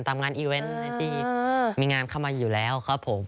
ตามงานอีเวนต์ในที่มีงานเข้ามาอยู่แล้วครับผม